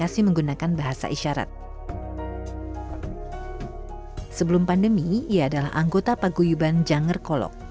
sebelum pandemi ia adalah anggota paguyuban janger kolok